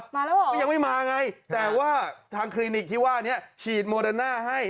มาแล้วเหรอก็ยังไม่มาไงแต่ว่าทางคลินิกที่ว่านี้ฉีดโมเดิร์น่าให้